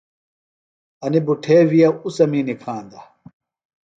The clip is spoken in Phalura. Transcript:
انیۡ بُٹھے وِیہ اُڅَمی نِکھاندہ۔